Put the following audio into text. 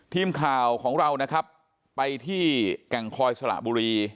ทีมข่าวของเรานะครับไปที่แก่งคอยสระบุรี